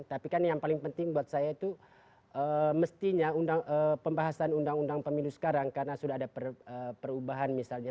tapi kan yang paling penting buat saya itu mestinya pembahasan undang undang pemilu sekarang karena sudah ada perubahan misalnya